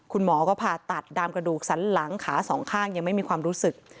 คุณหมอก็ผ่าตัดดามกระดูกสันหลังขาสองข้างยังไม่มีความรู้สึก